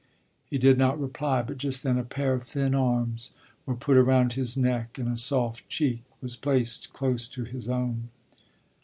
He did not reply, but just then a pair of thin arms were put around his neck and a soft cheek was placed close to his own.